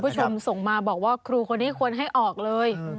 คุณผู้ชมส่งมาบอกว่าครูคนนี้ควรให้ออกเลย